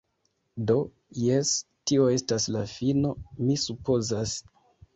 Do, jes, tio estas la fino, mi supozas.